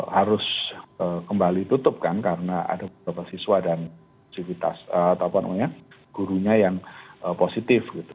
harus kembali tutup kan karena ada beberapa siswa dan sivitas gurunya yang positif gitu